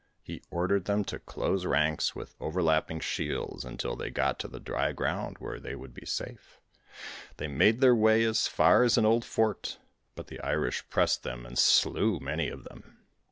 He ordered them to close ranks with overlapping shields, until they got to the dry ground where they would be safe. They made their way as far as an old fort, but the Irish pressed them and slew many of them.